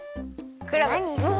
クラムブ。